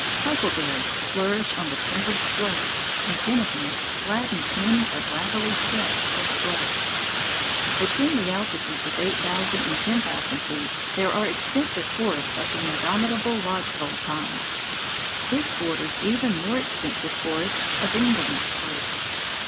Huckleberries flourish on the timbered slopes, and kinnikinick gladdens many a gravelly stretch or slope. [Illustration: A GROVE OF SILVER SPRUCE] Between the altitudes of eight thousand and ten thousand feet there are extensive forests of the indomitable lodge pole pine. This borders even more extensive forests of Engelmann spruce.